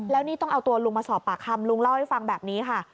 แล้วนี่ต้องเอาตัวลุงมาสอบปากคำลุงเล่าให้ฟังแบบนี้ค่ะ